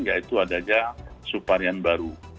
yaitu adanya subvarian baru